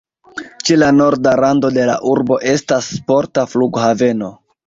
Ĉe la norda rando de la urbo estas sporta flughaveno.